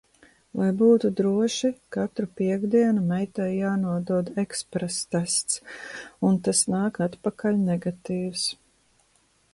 Lai būtu droši, katru piektdienu meitai jānodod eksprestests, un tas nāk atpakaļ negatīvs!